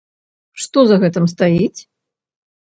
Што за гэтым стаіць?